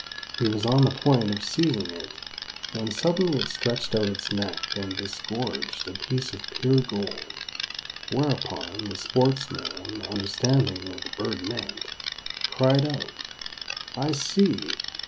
He was on the point of seizing it when suddenly it stretched out its neck and disgorged a piece of pure gold; whereupon, the sportsman, understanding what the bird meant, cried out, "I see!